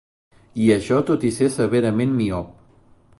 I això tot i ser severament miop.